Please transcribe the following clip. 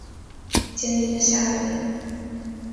已经一个下午了